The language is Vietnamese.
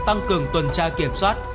tăng cường tuần tra kiểm soát